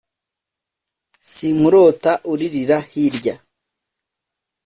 sinkurota uririra hirya